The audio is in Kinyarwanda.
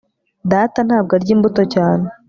Data ntabwo arya imbuto cyane